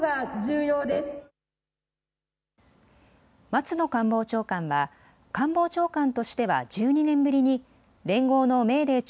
松野官房長官は官房長官としては１２年ぶりに連合のメーデー